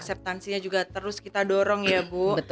subtansinya juga terus kita dorong ya bu